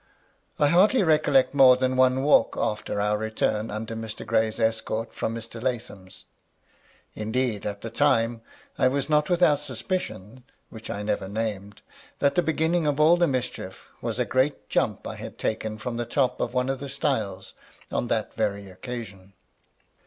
I hardly recollect more than one walk after our return under Mr. Gray's escort from Mr. Lathom's. Indeed, at the time, I was not without suspicions (which I never named) that the beginning of all the mischief was a great jump I had taken from the top of one of the stiles on that very occasion.